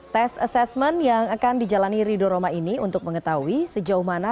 tes asesmen yang akan dijalani rido roma ini untuk mengetahui sejauh mana